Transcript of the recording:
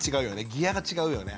ギアが違うよね。